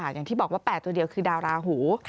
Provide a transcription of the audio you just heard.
อย่างที่บอกว่า๘ตัวเดียวคือดาวราหู